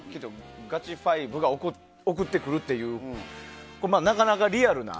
ガチ５が送ってくるというなかなかリアルな。